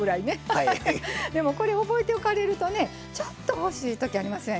これ、覚えておかれるとちょっと欲しいときありますやん。